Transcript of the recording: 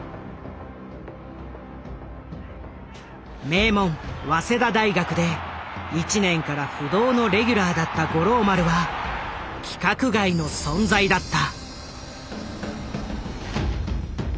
名門早稲田大学で１年から不動のレギュラーだった五郎丸は規格外の存在だった。